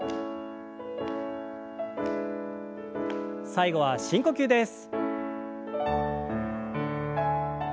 最後は深呼吸です。